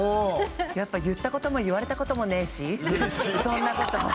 やっぱ言ったことも言われたこともねしそんなこと。